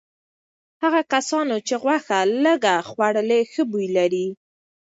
هغو کسانو چې غوښه لږه خوړلي ښه بوی لري.